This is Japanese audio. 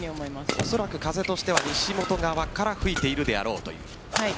おそらく風としては西本側から吹いているだろうと。